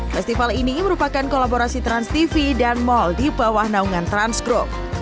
festival ini merupakan kolaborasi transtv dan mall di bawah naungan transgroup